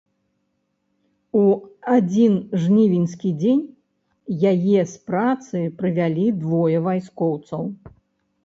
У адзін жнівеньскі дзень яе з працы прывялі двое вайскоўцаў.